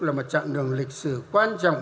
là một chặng đường lịch sử quan trọng